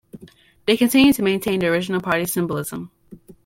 They continue to maintain the original party symbolism.